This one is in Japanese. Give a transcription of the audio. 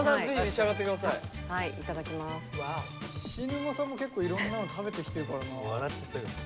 菱沼さんも結構いろんなの食べてきてるからな。